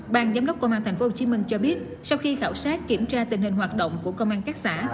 ban giám đốc công an tp hcm cho biết sau khi khảo sát kiểm tra tình hình hoạt động của công an các xã